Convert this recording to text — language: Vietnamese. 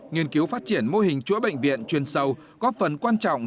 nghiên cứu phát triển mô hình chữa bệnh viện chuyên sâu góp phần quan trọng